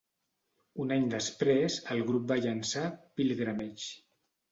Un any després, el grup va llançar "Pilgrimage".